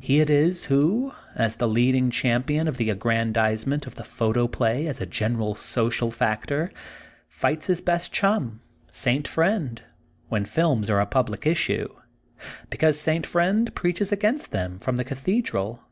He it is, who, as the leading champion of the aggrandizement of the photoplay as a general social factor, fights his best chum, St. Friend, when films are a •public issue, because St. Friend preaches against them from the Cathedral.